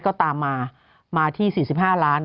ก็ตามมามาที่๔๕ล้าน